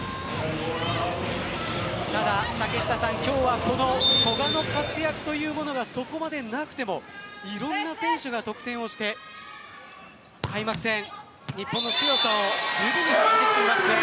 ただ、今日はこの古賀の活躍というものがそこまでなくてもいろんな選手が得点をして開幕戦、日本の強さを十分に発揮していますね。